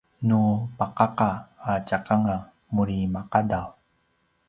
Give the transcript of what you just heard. nu paqaqa a tjakanga muri maqadv